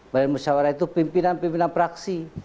badan musyawarah itu pimpinan pimpinan praksi